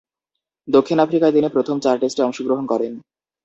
দক্ষিণ আফ্রিকায় তিনি প্রথম চার টেস্টে অংশগ্রহণ করেন।